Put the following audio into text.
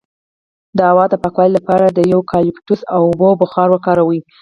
د هوا د پاکوالي لپاره د یوکالیپټوس او اوبو بخار وکاروئ